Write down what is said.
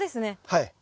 はい。